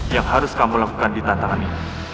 yang harus kamu lakukan di tantangan ini